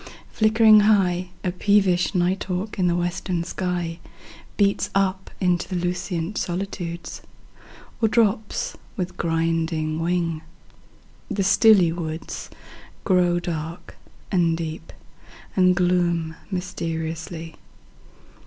Flickering high,5A peevish night hawk in the western sky6Beats up into the lucent solitudes,7Or drops with griding wing. The stilly woods8Grow dark and deep, and gloom mysteriously.